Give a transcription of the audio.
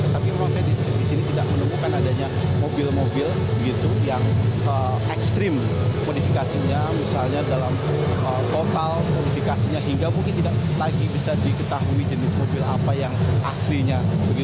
tapi memang saya di sini tidak menemukan adanya mobil mobil yang ekstrim modifikasinya misalnya dalam total modifikasinya hingga mungkin tidak lagi bisa diketahui jenis mobil apa yang aslinya